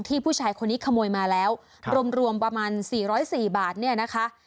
ผู้ชายคนนี้ขโมยมาแล้วรวมรวมประมาณ๔๐๔บาทเนี่ยนะคะ